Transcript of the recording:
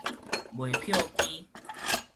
賣票機